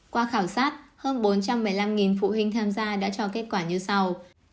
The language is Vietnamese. qua khảo sát hơn bốn trăm một mươi năm phụ huynh tham gia đã cho kết quả như sau